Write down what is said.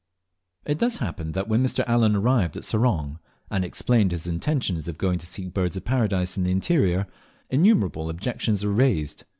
It thus happened that when Mr. Allen arrived at Sorong, and explained his intention of going to seek Birds of Paradise in the interior, innumerable objections were raised.